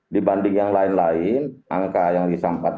dibanding yang lain lain angka yang disampat